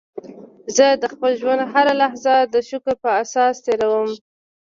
زه د خپل ژوند هره لحظه د شکر په احساس تېرووم.